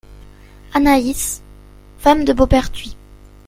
Anaïs , femme de Beauperthuis.